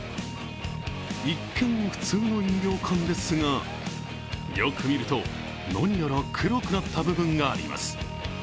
一見、普通の飲料缶ですが、よく見ると何やら黒くなった部分があります。